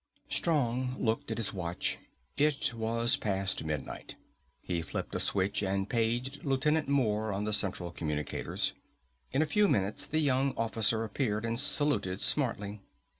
Strong looked at his watch. It was past midnight. He flipped a switch and paged Lieutenant Moore on the central communicators. In a few moments the young officer appeared and saluted smartly.